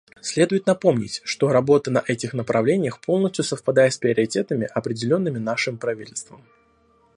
Следует напомнить, что работа на этих направлениях полностью совпадает с приоритетами, определенными нашим правительством.